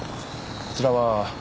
こちらは？